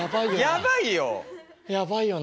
やばいよな。